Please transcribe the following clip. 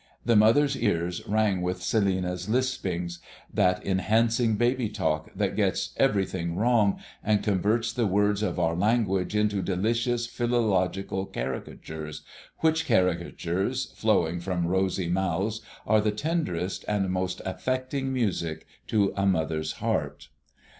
The mother's ears rang with Celinina's lispings, that enchanting baby talk that gets everything wrong, and converts the words of our language into delicious philological caricatures, which caricatures, flowing from rosy mouths, are the tenderest and most affecting music to a mother's heart.